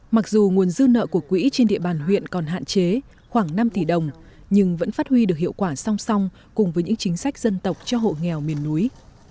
mặc dù nguồn dư nợ của quỹ trên địa bàn huyện còn hạn chế khoảng năm tỷ đồng nhưng vẫn phát huy được hiệu quả song song cùng với những chính sách dân tộc cho hộ nghèo miền núi